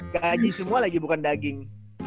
gaji semua lagi bukan daging